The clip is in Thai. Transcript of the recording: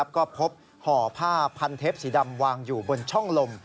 ก็พบห่อผ้าพันเทปสีดำวางอยู่บนช่องลม